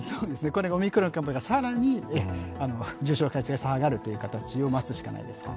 オミクロン株が更に重症化率が下がることを待つしかないですね。